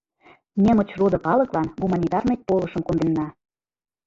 Немычродо калыклан гуманитарный полышым конденна.